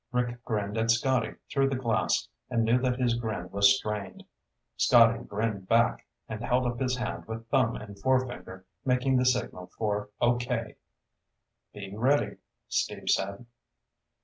Rick grinned at Scotty through the glass, and knew that his grin was strained. Scotty grinned back and held up his hand with thumb and forefinger making the signal for "Okay." "Be ready," Steve said.